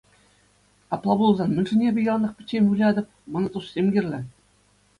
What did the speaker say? Апла пулсан мӗншӗн эпӗ яланах пӗччен вылятӑп, мана туссем кирлӗ.